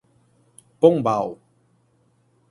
Pombal